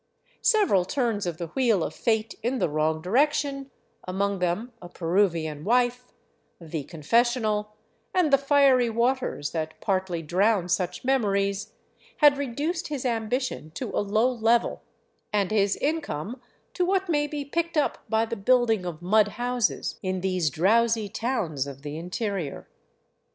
Several turns of the wheel of fate in the wrong direction, among them a Peru vian wife, the confessional, and the fiery waters that partly drown such memories, had reduced his ambition to a low level and his Imcome to what may be picked up by the building of mud houses in these drowsy towns of the interior.